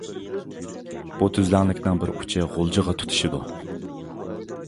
بۇ تۈزلەڭلىكنىڭ بىر ئۇچى غۇلجىغا تۇتىشىدۇ.